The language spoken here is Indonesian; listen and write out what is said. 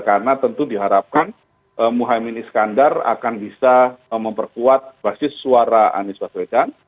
karena tentu diharapkan muhyiddin iskandar akan bisa memperkuat basis suara anies baswedan